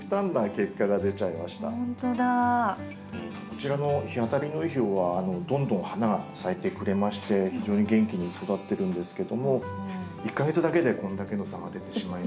こちらの日当たりのいい方はどんどん花が咲いてくれまして非常に元気に育ってるんですけども１か月だけでこんだけの差が出てしまいました。